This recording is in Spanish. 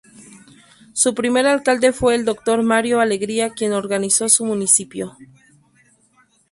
Su primer alcalde fue el Dr. Mario Alegría quien organizó su municipio.